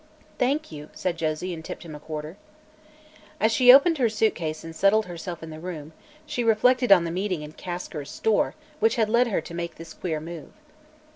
"Thank you," said Josie, and tipped him a quarter. As she opened her suitcase and settled herself in the room, she reflected on the meeting in Kasker's store which had led her to make this queer move.